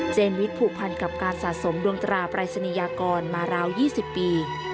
วิทย์ผูกพันกับการสะสมดวงตราปรายศนียากรมาราว๒๐ปี